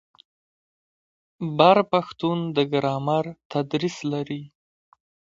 بر پښتون د ګرامر تدریس لري.